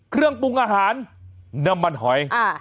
เครื่องปรุงอาหารน้ำมันหอย